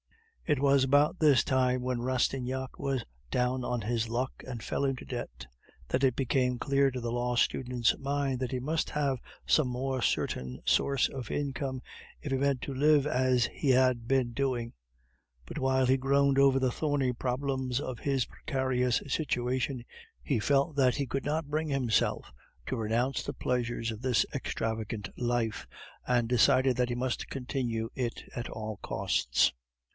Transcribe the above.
It was about this time when Rastignac was down on his luck and fell into debt, that it became clear to the law student's mind that he must have some more certain source of income if he meant to live as he had been doing. But while he groaned over the thorny problems of his precarious situation, he felt that he could not bring himself to renounce the pleasures of this extravagant life, and decided that he must continue it at all costs.